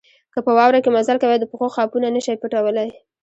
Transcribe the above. که په واوره کې مزل کوئ د پښو خاپونه نه شئ پټولای.